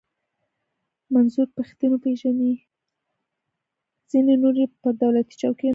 ځینې نور یې پر دولتي چوکیو ناست دي.